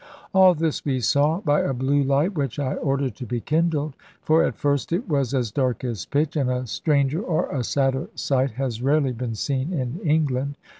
All this we saw by a blue light which I ordered to be kindled for at first it was as dark as pitch and a stranger or a sadder sight has rarely been seen in England.